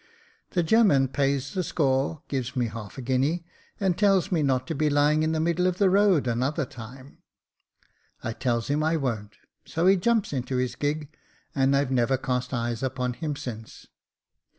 The gem man pays the score, gives me half a guinea, and tells me not to be lying in the middle of the road another time. I tells him I won't, so he jumps into his gig, and I've never cast eyes upon him since.